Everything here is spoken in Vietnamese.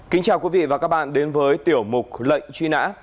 kính chào quý vị và các bạn đến với tiểu mục lệnh truy nã